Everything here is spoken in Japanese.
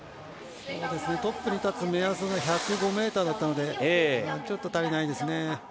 トップに立つ目安が１０５ｍだったのでちょっと足りないですね。